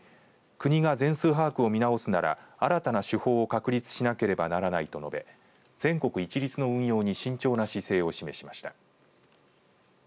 国が全数把握を見直すなら新たな手法を確立しなければならないと述べ全国一律の運用に慎重な姿勢を示しました。